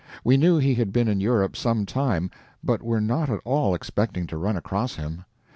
We knew he had been in Europe some time, but were not at all expecting to run across him.